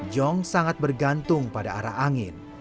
jong sangat bergantung pada arah angin